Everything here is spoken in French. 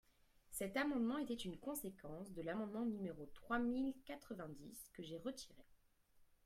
Cet amendement était une conséquence de l’amendement numéro trois mille quatre-vingt-dix, que j’ai retiré.